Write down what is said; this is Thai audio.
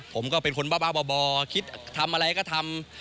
ผมก็เป็นคนบ้าบ่อคิดทำอะไรก็ทำ